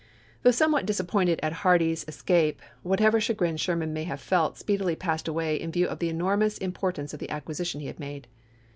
Though somewhat disappointed at Hardee's es cape, whatever chagrin Sherman may have felt speedily passed away in view of the enormous im portance of the acquisition he had made.